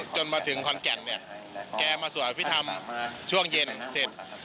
จนมาถึงขอนแก่นเนี่ยแกมาสวดอภิษฐรรมช่วงเย็นเสร็จ